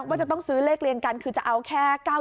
ว่าจะต้องซื้อเลขเรียงกันคือจะเอาแค่๙๑